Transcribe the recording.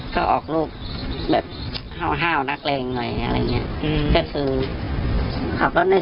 ก็ออกรูปแบบห้าวนักเล็งอะไรอย่างเนี่ย